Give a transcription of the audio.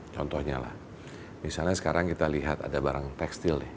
contohnya lah misalnya sekarang kita lihat ada barang tekstil ya